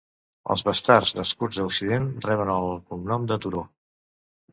Els bastards nascuts a Occident reben el cognom de Turó.